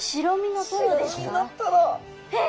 えっ！